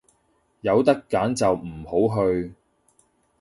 有得揀就唔好去